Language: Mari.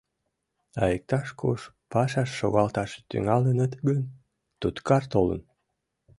А иктаж-куш пашаш шогалташ тӱҥалыныт гын — туткар толын.